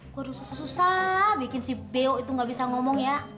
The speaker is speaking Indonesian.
gua udah susah susah bikin si beo itu gak bisa ngomong ya